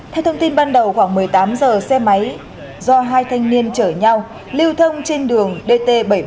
theo thông tin ban đầu khoảng một mươi tám giờ xe máy do hai thanh niên chở nhau lưu thông trên đường dt bảy trăm bốn mươi